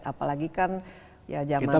apalagi kan ya zaman orang baru beda sekali